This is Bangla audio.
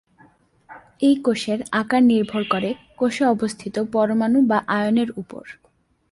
এই কোষের আকার নির্ভর করে, কোষে অবস্থিত পরমাণু বা আয়নের উপর।